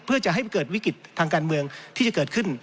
เพื่อจะให้เกิดวิกฤตทางการเมืองที่จะเกิดขึ้น